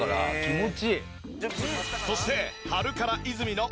そして。